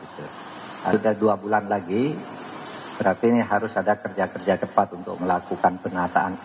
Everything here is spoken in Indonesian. sudah dua bulan lagi berarti ini harus ada kerja kerja cepat untuk melakukan penataan